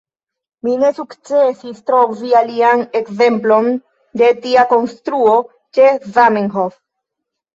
Mi ne sukcesis trovi alian ekzemplon de tia konstruo ĉe Zamenhof.